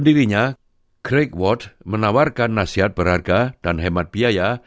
dan jelasnya orang bisa menghubungi